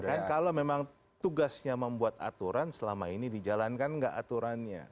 kan kalau memang tugasnya membuat aturan selama ini dijalankan nggak aturannya